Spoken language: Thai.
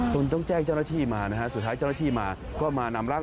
จนต้องแจ้งเจ้าหน้าที่มานะฮะสุดท้ายเจ้าหน้าที่มาก็มานำร่าง